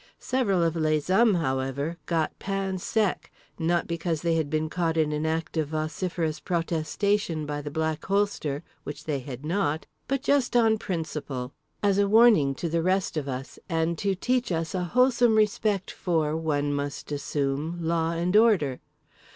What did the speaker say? Several of les hommes, however, got pain sec—not because they had been caught in an act of vociferous protestation by the Black Holster, which they had not—but just on principle, as a warning to the rest of us and to teach us a wholesome respect for (one must assume) law and order.